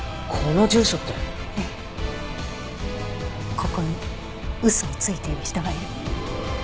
ここに嘘をついている人がいる。